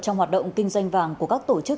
trong hoạt động kinh doanh vàng của các tổ chức